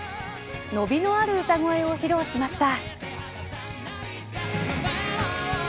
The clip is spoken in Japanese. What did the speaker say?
伸びのある歌声を披露しました。